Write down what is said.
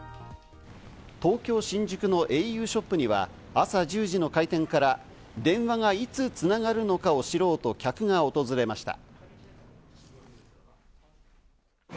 東京・新宿のａｕショップには朝１０時の開店から電話がいつつながるのかを知ろうと客が訪れました。